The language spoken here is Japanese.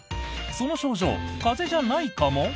その症状、風邪じゃないかも。